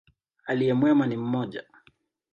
Aliye mwema ni mmoja.